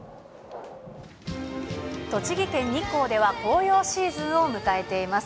栃木県日光では紅葉シーズンを迎えています。